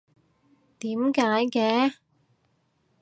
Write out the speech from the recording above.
點解嘅？